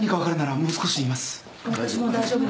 私も大丈夫です。